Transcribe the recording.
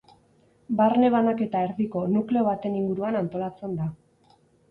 Barne-banaketa erdiko nukleo baten inguruan antolatzen da.